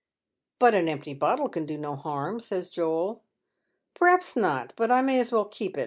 " But an empty bottle can do no harm," says Joel, " Perhaps not, but I may as well keep it.